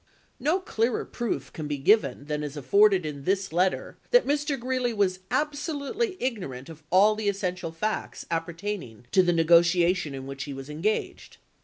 No clearer proof can be given than is afforded in this letter that Mr. Greeley was absolutely ignorant of all the essential facts appertaining to the nego tiation in which he was engaged.